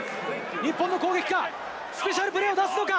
日本の攻撃が、スペシャルプレーを出すのか？